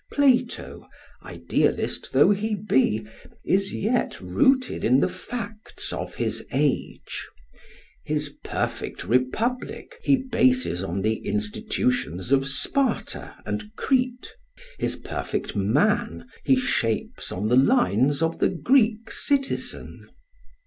Plato, idealist though he be, is yet rooted in the facts of his age; his perfect republic he bases on the institutions of Sparta and Crete; his perfect man he shapes on the lines of the Greek citizen.